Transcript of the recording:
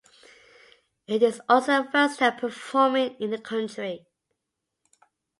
It is also their first time performing in the country.